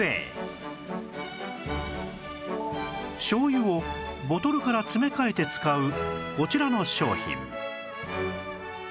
醤油をボトルから詰め替えて使うこちらの商品